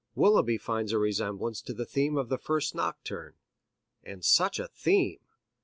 Willeby finds a resemblance to the theme of the first nocturne. And such a theme!